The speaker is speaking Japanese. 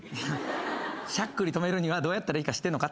しゃっくり止めるにはどうやったらいいか知ってんのか。